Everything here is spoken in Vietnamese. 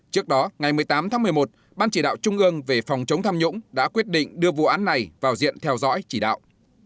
trước đó ngày một mươi tám tháng một mươi một ban chỉ đạo trung ương về phòng chống tham nhũng đã quyết định đưa vụ án này vào diện theo dõi chỉ đạo